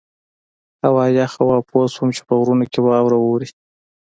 هوا یخه وه او پوه شوم چې په غرونو کې واوره وورې.